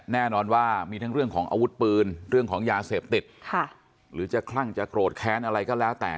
แน่นอนว่ามีทั้งเรื่องของอาวุธปืนเรื่องของยาเสพติดหรือจะคลั่งจะโกรธแค้นอะไรก็แล้วแต่